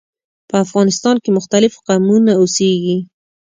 په افغانستان کې مختلف قومونه اوسیږي.